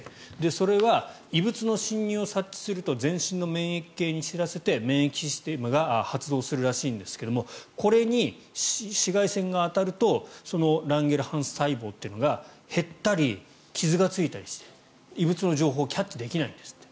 それは異物の侵入を察知すると全身の免疫系に知らせて免疫システムが発動するらしいんですがこれに紫外線が当たるとランゲルハンス細胞というのが減ったり、傷がついたりして異物の情報をキャッチできないんですって。